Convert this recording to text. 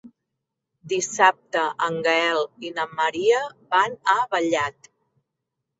Dissabte en Gaël i na Maria van a Vallat.